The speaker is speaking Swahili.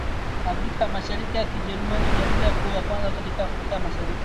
Afrika ya Mashariki ya Kijerumani na Vita Kuu ya Kwanza katika Afrika ya Mashariki